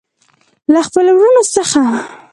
له خپلو وروڼو څخه.